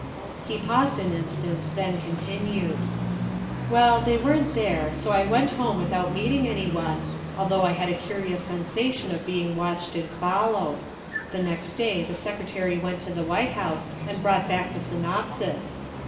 He paused an instant, then continued: " Well, they weren't there, so I went home without meeting anyone, although I had a curious sensation of being watched and followed. The next day the Secre tary went to the White House and brought back the synopsis.